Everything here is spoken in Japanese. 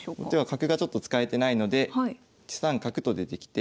角がちょっと使えてないので１三角と出てきて。